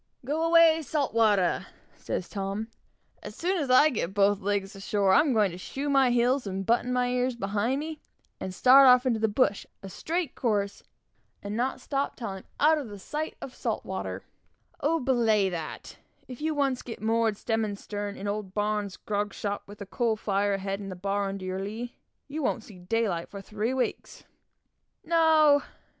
"Go away, salt water!" says Tom. "As soon as I get both legs ashore, I'm going to shoe my heels, and button my ears behind me, and start off into the bush, a straight course, and not stop till I'm out of the sight of salt water!" "Oh! belay that! Spin that yarn where nobody knows your filling! If you get once moored, stem and stern, in old B 's grog shop, with a coal fire ahead and the bar under your lee, you won't see daylight for three weeks!" "No!"